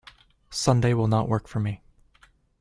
Sunday will not work for me.